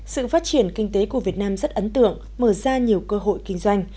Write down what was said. sự phát triển kinh tế của việt nam rất ấn tượng mở ra nhiều cơ hội kinh doanh